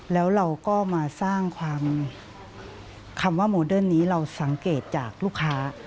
แล้วเราก็มาสร้างความคำว่าโมเดิร์นนี้เราสังเกตจากลูกค้า